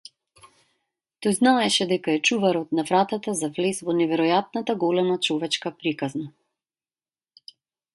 Тој знаеше дека е чуварот на вратата за влез во неверојатната голема човечка приказна.